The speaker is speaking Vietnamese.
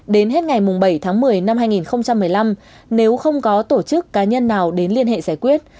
đến hết ngày bảy tháng một mươi năm hai nghìn một mươi năm nếu không có tổ chức cá nhân nào đến liên hệ giải quyết